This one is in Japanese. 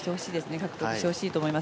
獲得してほしいと思います。